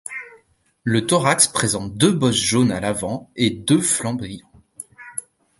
Le thorax présente deux bosses jaunes à l'avant et des flancs brillants.